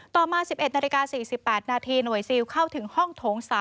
ต่อมา๑๑นาฬิกา๔๘นาทีหน่วยซิลเข้าถึงห้องโถง๓